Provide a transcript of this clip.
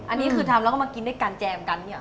อันนี้คือทำแล้วก็มากินได้กันแจมกัน